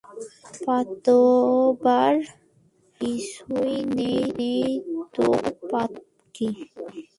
পাতবার কিছুই নেই তো পাতব কী।